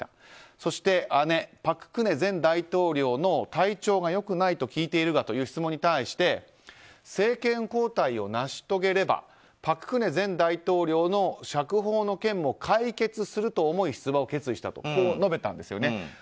そして姉・朴槿惠前大統領の体調が良くないと聞いているがという質問に対し政権交代を成し遂げれば朴槿惠前大統領の釈放の件も解決すると思い出馬を決意したと述べたんです。